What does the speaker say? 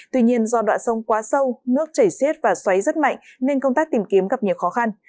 tuy nhiên do đoạn sông quá sâu nước chảy xiết và xoáy rất mạnh nên công tác tìm kiếm gặp nhiều khó khăn